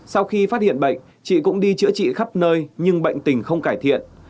sau khi phát hiện bệnh chị cũng đi chữa trị khắp nơi nhưng bệnh tình không cải thiện